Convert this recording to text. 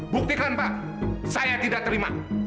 buktikan pak saya tidak terima